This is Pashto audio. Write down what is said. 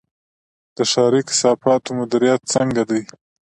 د ښاري کثافاتو مدیریت څنګه دی؟